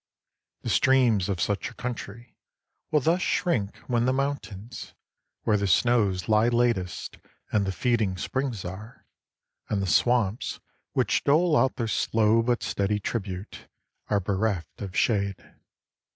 The streams of such a country will thus shrink when the mountains, where the snows lie latest and the feeding springs are, and the swamps, which dole out their slow but steady tribute, are bereft of shade.